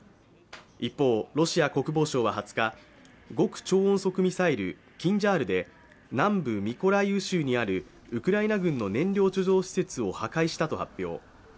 一方、ロシア国防省は２０日極超音速ミサイル、キンジャールで南部ミコライウ州にあるウクライナ軍の燃料貯蔵施設を破壊したと発表。